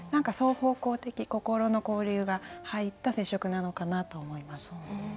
双方向的心の交流が入った接触なのかなと思います。